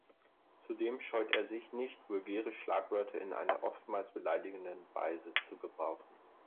Zudem scheut er sich nicht, vulgäre Schlagwörter in einer oftmals beleidigenden Weise zu gebrauchen.